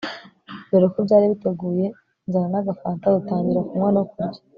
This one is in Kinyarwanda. doreko byari biteguye nzana n'agafanta dutangira kunywa no kurya